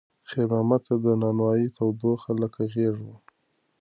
خیر محمد ته د نانوایۍ تودوخه لکه غېږ وه.